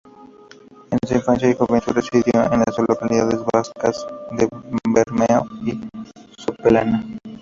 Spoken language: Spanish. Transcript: En su infancia y juventud residió en las localidades vascas de Bermeo y Sopelana.